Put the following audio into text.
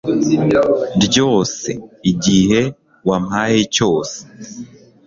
ryose, igihe wampaye cyose